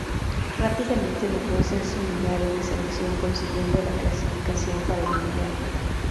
Rápidamente logró hacerse un lugar en la Selección consiguiendo la clasificación para el Mundial.